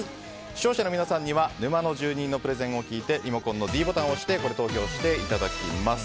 視聴者の皆さんには沼の住人のプレゼンを聞いてリモコンのｄボタンを押して投票していただきます。